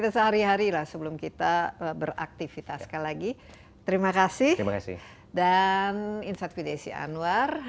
sehari harilah sebelum kita beraktivitas ke lagi terima kasih dan insad wednesday syian noir